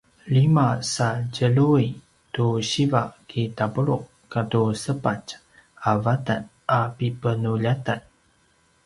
lima sa tjelju’i tu siva kitapulu’ katu sepatj a vatan a pipenuljatan